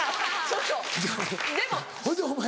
ほいでお前